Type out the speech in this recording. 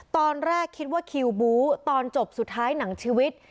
ตอนแรกคิดว่าคิวบู๊ตอนจบสุดท้ายหนังชีวิต